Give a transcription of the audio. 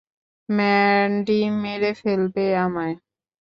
Mandy মেরে ফেলবে আমায়।